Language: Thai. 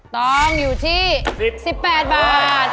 ต้องอยู่ที่๑๘บาท